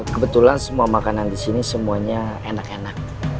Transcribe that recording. kebetulan semua makanan disini semuanya enak enak